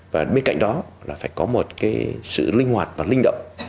và bên cạnh đó là phải có một cái sự linh hoạt và linh động